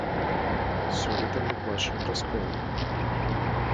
Сёлета мы бачым раскол.